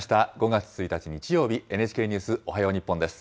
５月１日日曜日、ＮＨＫニュースおはよう日本です。